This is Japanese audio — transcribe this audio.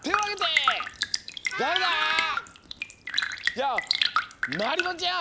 じゃあまりもちゃん！